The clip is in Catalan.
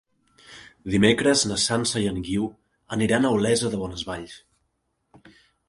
Dimecres na Sança i en Guiu aniran a Olesa de Bonesvalls.